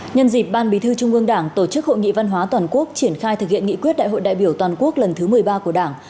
nhân dịp ban bí thư trung ương đảng tổ chức hội nghị văn hóa toàn quốc triển khai thực hiện nghị quyết đại hội đại biểu toàn quốc lần thứ một mươi ba của đảng